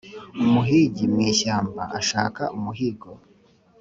Umuhigi mwishyamba ashaka umuhigo